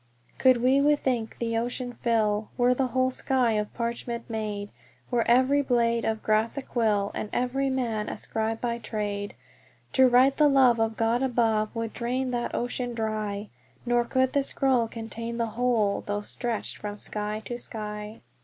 "Could we with ink the ocean fill, Were the whole sky of parchment made, Were every blade of grass a quill, And every man a scribe by trade; To write the love of God above Would drain that ocean dry, Nor could the scroll contain the whole Though stretched from sky to sky."